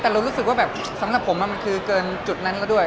แต่เรารู้สึกว่าแบบสำหรับผมมันคือเกินจุดนั้นก็ด้วย